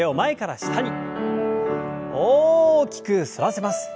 大きく反らせます。